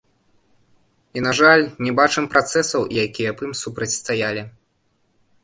І, на жаль, не бачым працэсаў, якія б ім супрацьстаялі.